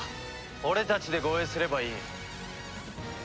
俺たちで護衛すればいい。